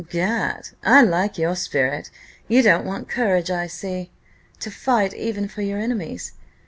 "'Gad, I like your spirit you don't want courage, I see, to fight even for your enemies.